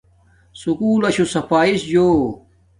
سکول لشو صفایس جو